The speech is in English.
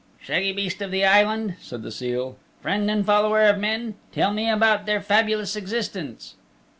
"Shaggy beast of the Island," said the seal, "friend and follower of men, tell me about their fabulous existence."